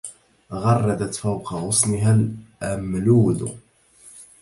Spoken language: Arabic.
غردت فوق غصنها الأملود